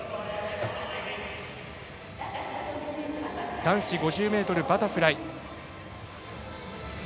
男子５０ｍバタフライ。